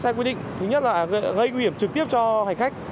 xe quy định thứ nhất là gây nguy hiểm trực tiếp cho khánh khách